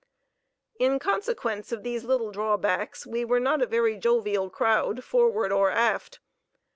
In consequence of these little drawbacks we were not a very jovial crowd forward or aft.